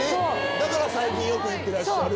だから最近よく行ってらっしゃる。